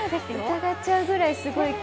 疑っちゃうくらいすごい。